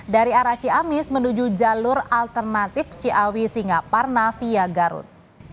dari arah ciamis menuju jalur alternatif ciawi singaparnavia garut